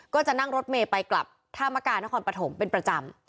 ก็จะนั่งรถเมย์ไปกลับท่ามกานครปฐมเป็นประจำ